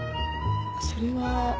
それは。